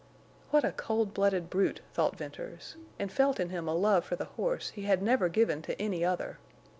What a cold blooded brute thought Venters, and felt in him a love for the horse he had never given to any other.